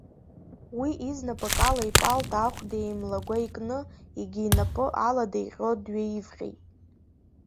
Уи изнапык ала ипалта ахәда еимлагәа икны, егьи инапы алада иҟьо дҩаивҟьеит.